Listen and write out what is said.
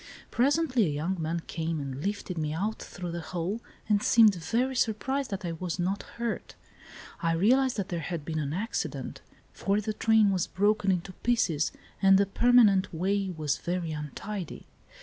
Presently a young man came and lifted me out through the hole, and seemed very surprised that I was not hurt. I realised that there had been an accident, for the train was broken into pieces and the permanent way was very untidy.